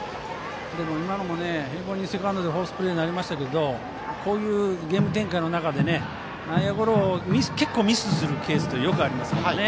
今のもセカンドでフォースプレーになりましたがこういうゲーム展開で内野ゴロをミスするケースは結構よくありますからね。